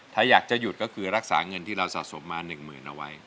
ถ้าอยากจะหยุดก็คือรักษาเงินที่เราสะสมมา๑หมื่นเอาไว้